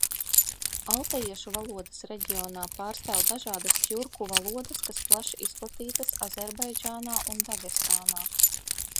Altajiešu valodas reģionā pārstāv dažādas tjurku valodas, kas plaši izplatītas Azerbaidžānā un Dagestānā.